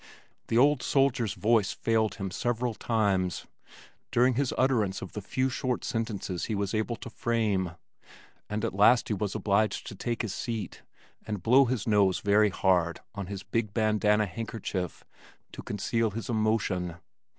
The old soldier's voice failed him several times during his utterance of the few short sentences he was able to frame, and at last he was obliged to take his seat, and blow his nose very hard on his big bandanna handkerchief to conceal his emotion.